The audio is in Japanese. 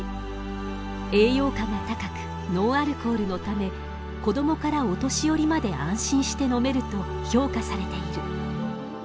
栄養価が高くノンアルコールのため子どもからお年寄りまで安心して飲めると評価されている。